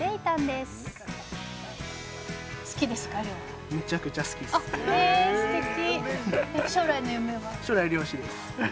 すてき。